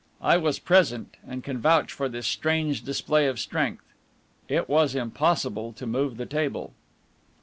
I was present, and can vouch for this strange display of strength; it was impossible to move the table.